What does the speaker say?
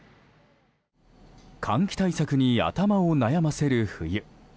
換気対策に頭を悩ませる冬。